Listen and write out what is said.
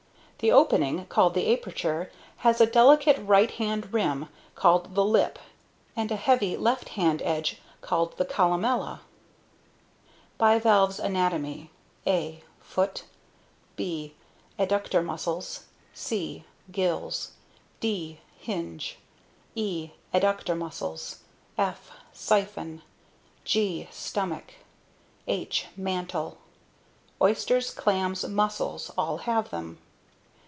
The opening, called the aperture, has a delicate right hand rim called the lip and a heavy, left hand edge called the columella. [figure captions] BIVALVE'S anatomy: a) foot, b) adductor muscles, c) gills, d) hinge, e) adductor muscles, f) siphon, g) stomach, h) mantle. Oysters, clams, mussels all have them.